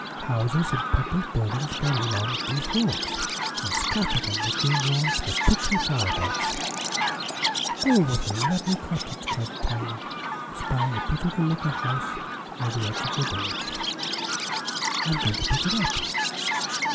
Houses and public buildings were along these walks; and scattered on the green lawns were pretty flower beds. "Oh, what a lovely cottage!" cried Tiny, spying a beautiful little house near the edge of the village. "I'm going to pick it up!